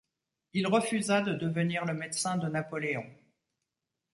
Il refusa de devenir le médecin de Napoléon.